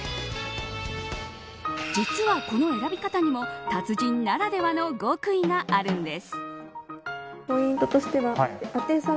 実はこの選び方にも達人ならではの極意があるんです。